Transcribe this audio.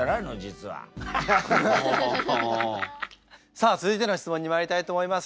さあ続いての質問にまいりたいと思います。